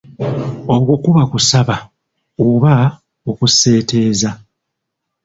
Okwo kuba kusaaba oba okuseeteeza.